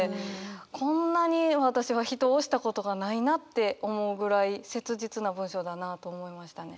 こんなに私は人を推したことがないなって思うぐらい切実な文章だなと思いましたね。